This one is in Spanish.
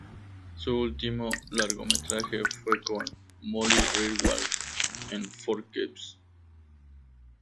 Su último largometraje fue con Molly Ringwald en For Keeps?